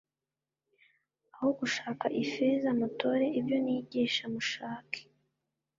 aho gushaka ifeza mutore ibyo nigisha mushake